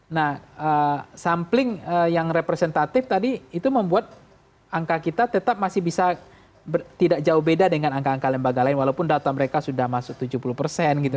nah sampling yang representatif tadi itu membuat angka kita tetap masih bisa tidak jauh beda dengan angka angka lembaga lain walaupun data mereka sudah masuk tujuh puluh persen gitu